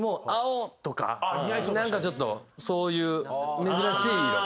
何かちょっとそういう珍しい色。